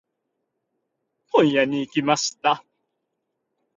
本屋に行きました。